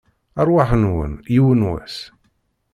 Rrwaḥ-nwen, yiwen n wass!